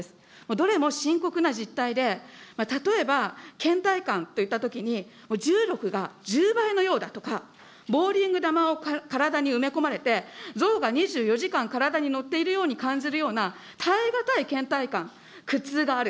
どれも深刻な実態で、例えば、けん怠感といったときに、重力が１０倍のようだとか、ボウリング玉を体に埋め込まれて、象が２４時間体に乗っているように感じるような耐えがたいけん怠感、苦痛がある。